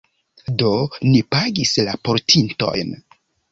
Do, ni pagis la portintojn.